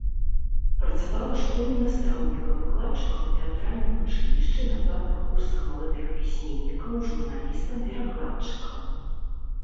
Працавала школьным настаўнікам, выкладчыкам у тэатральным вучылішчы, на платных курсах маладых пісьменнікаў, журналістам, перакладчыкам.